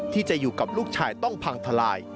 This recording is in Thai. ที่จะอยู่กับลูกชายต้องพังทลาย